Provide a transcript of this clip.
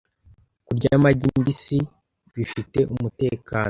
Kurya amagi mbisi bifite umutekano?